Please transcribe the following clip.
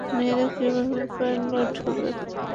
মেয়েরা কীভাবে পাইলট হবে?